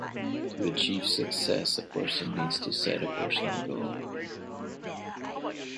To achieve success, a person needs to set a personal goal.